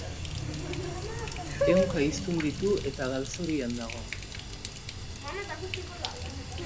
Ehunka hiztun ditu eta galzorian dago.